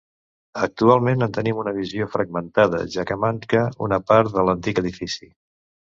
Actualment en tenim una visió fragmentada, ja que manca una part de l'antic edifici.